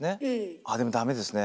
あでもダメですね